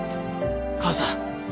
母さん。